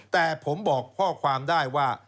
แต่ผมบอกข้อความได้ว่า